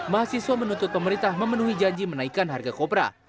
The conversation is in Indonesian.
mahasiswa menuntut pemerintah memenuhi janji menaikan harga kopra